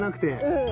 うん。